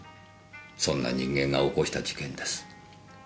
そんな人間が起こした事件です。